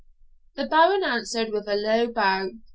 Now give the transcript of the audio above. The Baron answered with a low bow.